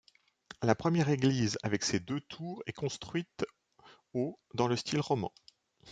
La première église avec ses deux tours est construite au dans le style roman.